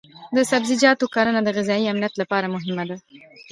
د سبزیجاتو کرنه د غذایي امنیت لپاره مهمه ده.